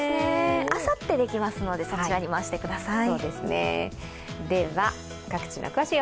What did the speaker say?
あさってできますのでそちらに回してください。